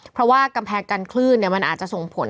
เพราะว่ากำแพงกันคลื่นมันอาจจะส่งผล